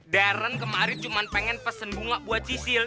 darren kemarin cuman pengen pesen bunga buat sisil